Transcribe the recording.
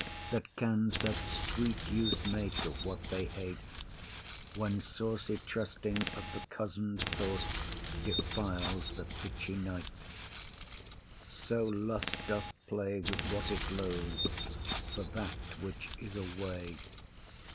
That can such sweet use make of what they hate, When saucy trusting of the cozen'd thoughts Defiles the pitchy night; so lust doth play With what it loathes, for that which is away.